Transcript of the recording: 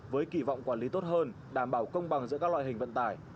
với kỳ vọng quản lý tốt hơn đảm bảo công bằng giữa các loại hình vận tải